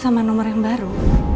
sama nomor yang baru